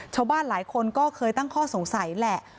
ชาวบ้านหลายคนก็เคยตั้งข้อสงสัยแหละ